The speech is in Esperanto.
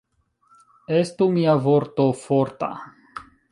Estu mia vorto forta!